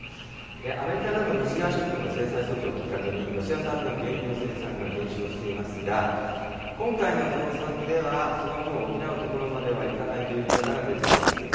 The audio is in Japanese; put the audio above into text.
アメリカなど西側諸国の制裁措置をきっかけに、ロシア産の原油の生産が減少していますが、今回の増産では、その分を補うところまではいかないとの見方が出ています。